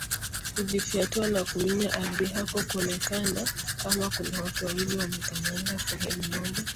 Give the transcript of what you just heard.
Hujifyatua na kuminya ardhi hapo huonekana kama kuna watu wawili wamekanyaga sehemu moja